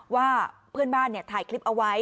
ว่าเพื่อนบ้านถ่ายคลิปเอาไว้